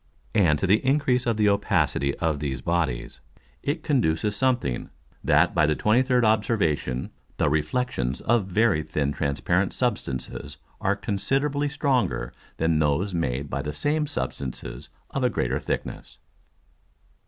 And to the increase of the opacity of these Bodies, it conduces something, that by the 23d Observation the Reflexions of very thin transparent Substances are considerably stronger than those made by the same Substances of a greater thickness.